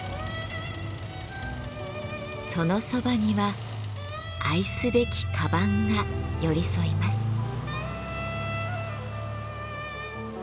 そのそばには愛すべき鞄が寄り添います。